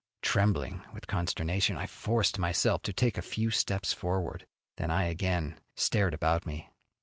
Trembling with consternation I forced myself to take a few steps forward, then I again stared about me.